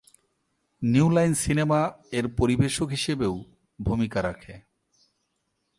New Line Cinema এর পরিবেশক হিসেবেও ভূমিকা রাখে।